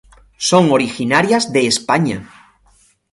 Son originarias de España.